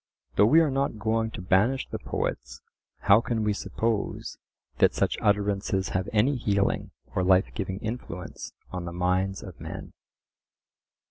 Though we are not going to banish the poets, how can we suppose that such utterances have any healing or life giving influence on the minds of men?